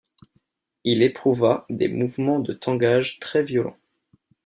Il éprouva des mouvements de tangage très-violents